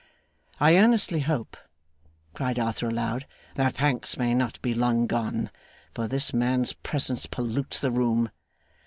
'I earnestly hope,' cried Arthur aloud, 'that Pancks may not be long gone, for this man's presence pollutes the room.